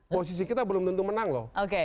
posisi kita belum tentu menang loh